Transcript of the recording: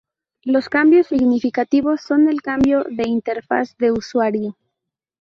Los cambios significativos son el cambio de interfaz de usuario.